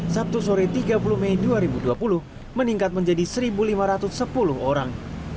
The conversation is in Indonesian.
sabtu sore tiga puluh mei dua ribu dua puluh meningkat menjadi satu lima ratus sepuluh orang